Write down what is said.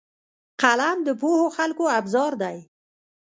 قلم د پوهو خلکو ابزار دی